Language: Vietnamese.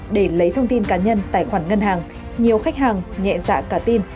để lấy thông tin cá nhân tài khoản ngân hàng nhiều khách hàng nhẹ dạ cả tin